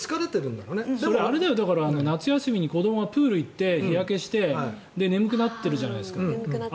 夏休みに子どもがプールに行って日焼けして眠くなってるじゃないですか。